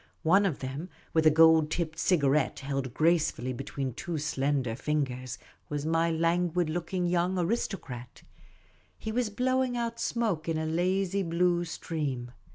One of them, with a gold tipped cigarette held gracefully between two slender fingers, was my languid looking young aristocrat. He was blowing out smoke in a lazy blue stream.